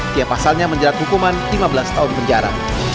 dia pasalnya menjerat hukuman lima belas tahun penjara